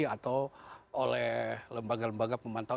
atau oleh lembaga lembaga pemantau